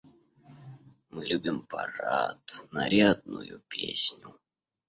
Мы любим парад, нарядную песню.